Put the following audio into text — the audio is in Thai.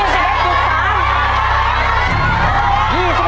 สัมมัติ